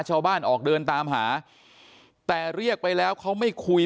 ชาวบ้านออกเดินตามหาแต่เรียกไปแล้วเขาไม่คุย